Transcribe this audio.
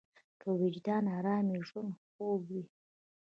که وجدان ارام وي، ژوند خوږ وي.